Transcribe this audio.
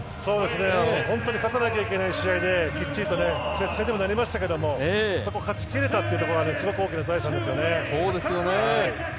本当に勝たなきゃいけない試合できっちりと接戦にはなりましたけれどもそこを勝ち切れたというのがすごく大きな財産ですね。